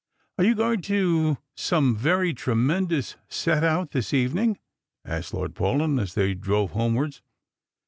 " Are you going to some very tremendous set out this even ing P " asked Lord Paulyn as they drove homewards.